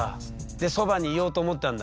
でそばにいようと思ったんだ。